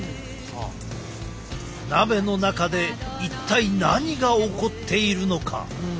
鍋の中で一体何が起こっているのか？